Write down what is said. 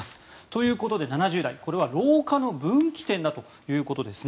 ということで７０代、これは老化の分岐点ということです。